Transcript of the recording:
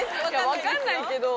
分かんないけど。